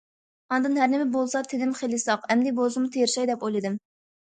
ئاندىن ھەر نېمە بولسا تېنىم خېلى ساق، ئەمدى بولسىمۇ تىرىشاي دەپ ئويلىدىم.